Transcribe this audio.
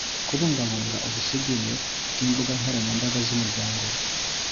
Kubungabunga ubusugire bw’imbuga nkoranyambaga z’umuryango ;